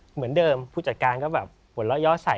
เหมือนเดิมผู้จัดการก็แบบหัวเราะย่อใส่